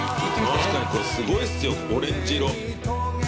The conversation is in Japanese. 確かにこれすごいっすよオレンジ色。